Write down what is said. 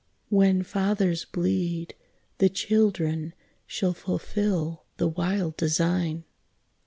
when fathers bleed, The children shall fulfil the wild design.